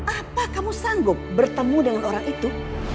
apa kamu sanggup bertemu dengan orang itu